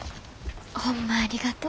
ホンマありがとう。